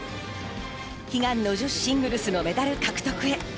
悲願の女子シングルスのメダル獲得へ。